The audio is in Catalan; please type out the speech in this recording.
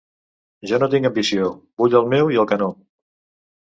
Jo no tinc ambició: vull el meu i el que no.